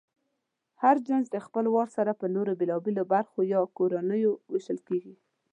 هر جنس پهخپل وار سره په نورو بېلابېلو برخو یا کورنیو وېشل کېږي.